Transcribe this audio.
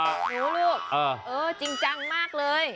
หูลูกเจอจริงจังมากเลย